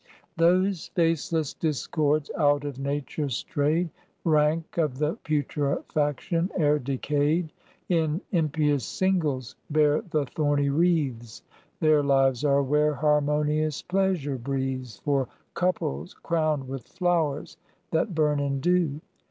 Those faceless discords, out of nature strayed, Rank of the putrefaction ere decayed, In impious singles bear the thorny wreaths: Their lives are where harmonious Pleasure breathes For couples crowned with flowers that burn in dew.